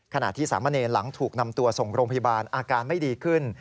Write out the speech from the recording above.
ขณะที่สามเณรหลังถูกนำตัวส่งโรงพยาบาลอาการไม่ดีขึ้น